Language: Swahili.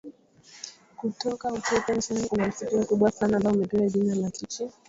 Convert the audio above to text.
Kutoka Utete njiani kuna msitu mkubwa sana ambao umepewa jina la Kichi